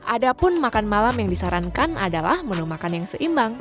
ada pun makan malam yang disarankan adalah menu makan yang seimbang